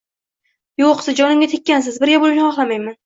Yoʻq, siz jonimga tekkansiz, birga boʻlishni xohlayman